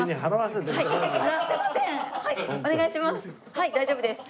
はい大丈夫です。